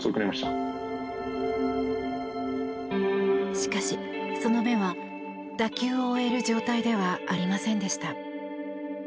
しかし、その目は打球を追える状態ではありませんでした。